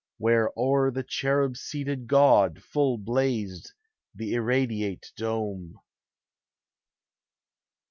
Where o'er the cherub seated God full blazed the irradiate dome.